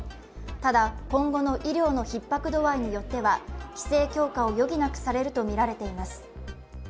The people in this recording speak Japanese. ただ今後の医療のひっ迫度合いによっては規制強化を余儀なくされるとみられています。